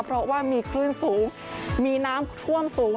เพราะว่ามีคลื่นสูงมีน้ำท่วมสูง